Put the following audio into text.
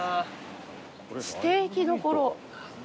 ステーキ処。